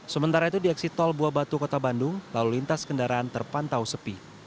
sementara itu di eksit tol bua batu kota bandung lalu lintas kendaraan terpantau sepi